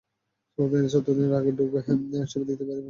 চতুর্থ দিন রাগে ক্ষোভে ঠিকই ছবি দেখতে বেরিয়ে পড়েন টঙ্গীর দিকে।